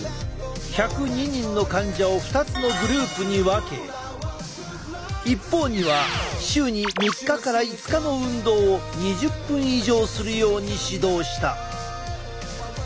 １０２人の患者を２つのグループに分け一方には週に３日から５日の運動を２０分以上するように指導した。